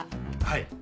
はい。